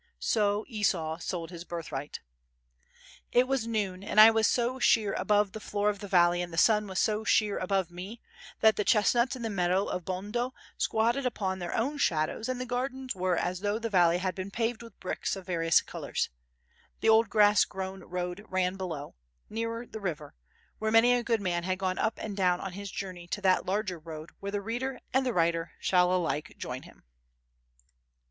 So Esau sold his birthright. It was noon, and I was so sheer above the floor of the valley and the sun was so sheer above me that the chestnuts in the meadow of Bondo squatted upon their own shadows and the gardens were as though the valley had been paved with bricks of various colours. The old grass grown road ran below, nearer the river, where many a good man had gone up and down on his journey to that larger road where the reader and the writer shall alike join him.